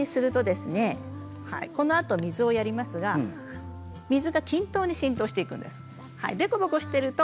このあと水をやりますけれども平らにすると均等に浸透していくんです。